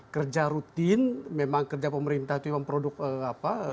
kerja rutin memang kerja pemerintah itu memang produk apa